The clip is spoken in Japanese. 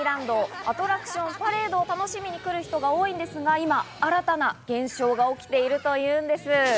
アトラクション、パレードを楽しみに来る方が多いんですが、今、新たな現象が起きているというんです。